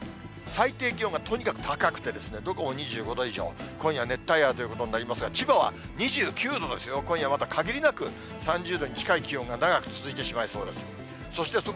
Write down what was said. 最低気温がとにかく高くて、どこも２５度以上、今夜、熱帯夜ということになりますが、千葉は２９度ですよ、今夜、またかぎりなく３０度に近い気温が長く続いてしまいそうです。